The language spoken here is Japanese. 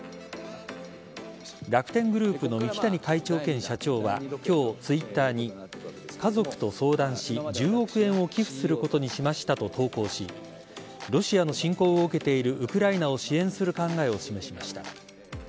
楽天グループの三木谷会長兼社長は今日Ｔｗｉｔｔｅｒに家族と相談し１０億円を寄付することにしましたと投稿しロシアの侵攻を受けているウクライナを支援する考えを示しました。